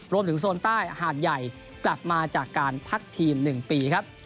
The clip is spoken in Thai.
โซนใต้หาดใหญ่กลับมาจากการพักทีม๑ปีครับ